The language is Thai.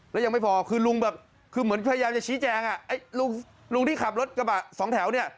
แล้วยังไม่พอคือลุงแบบคือเหมือนพยายามจะชี้แจงอ่ะไอ้ลุงที่ขับรถกระบะสองแถวเนี่ย